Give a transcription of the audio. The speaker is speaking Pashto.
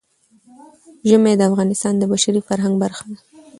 ژمی د افغانستان د بشري فرهنګ برخه ده.